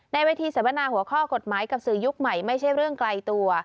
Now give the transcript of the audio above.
เวทีเสวนาหัวข้อกฎหมายกับสื่อยุคใหม่ไม่ใช่เรื่องไกลตัว